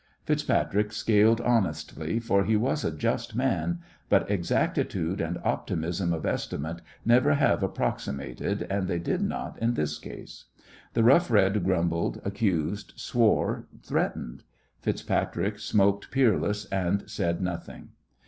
FitzPatrick scaled honestly, for he was a just man, but exactitude and optimism of estimate never have approximated, and they did not in this case. The Rough Red grumbled, accused, swore, threatened. FitzPatrick smoked "Peerless," and said nothing.